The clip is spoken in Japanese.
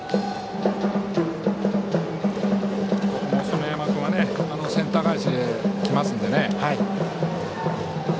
園山君はセンター返しできますのでね。